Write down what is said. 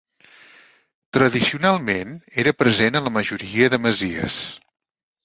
Tradicionalment era present a la majoria de masies.